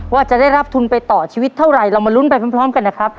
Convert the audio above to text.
ว่าจะได้รับทุนไปต่อชีวิตเท่าไรเรามาลุ้นไปพร้อมกันนะครับ